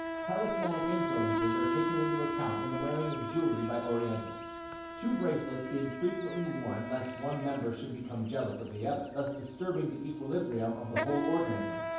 Talismanic influences are taken into account in the wearing of jewelry by Orientals, two bracelets being frequently worn lest one member should become jealous of the other, thus disturbing the equilibrium of the whole organism.